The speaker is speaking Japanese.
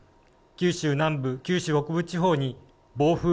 九州南部、九州北部地方に暴風